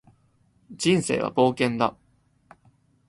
人生は冒険だ